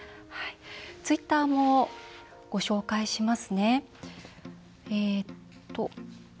ツイッターもご紹介しますね。